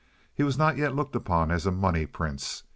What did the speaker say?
He was not yet looked upon as a money prince.